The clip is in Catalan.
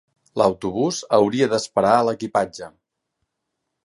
L'autobús hauria d'esperar a l'equipatge.